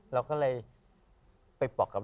เราก็เลยไปบอกกับ